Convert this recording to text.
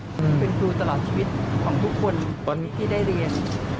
คือครูตลอดชีวิตของทุกคนที่ได้เรียน